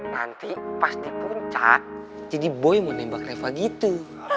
nanti pas di puncak jadi boy menembak reva gitu